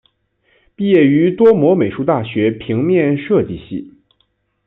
毕业于多摩美术大学平面设计系。